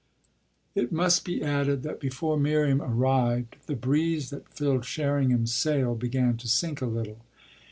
It must be added that before Miriam arrived the breeze that filled Sherringham's sail began to sink a little.